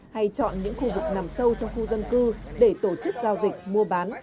hay chọn những khu vực nằm sâu trong khu dân cư để tổ chức giao dịch mua bán